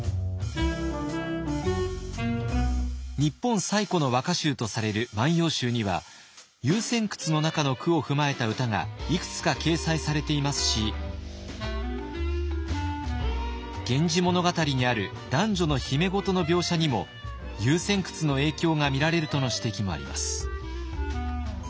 日本最古の和歌集とされる「万葉集」には「遊仙窟」の中の句を踏まえた歌がいくつか掲載されていますし「源氏物語」にある男女の秘め事の描写にも「遊仙窟」の影響が見られるとの指摘もあります。